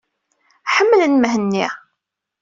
Ḥemmlen Mhenni.